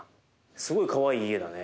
すごいかわいい家だね。